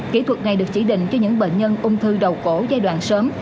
kỹ thuật này được chỉ định cho những bệnh nhân ung thư đầu cổ giai đoạn sớm